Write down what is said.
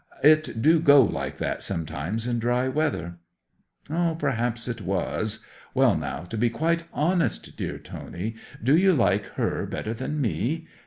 "It do go like that sometimes in dry weather." '"Perhaps it was ... Well, now, to be quite honest, dear Tony, do you like her better than me?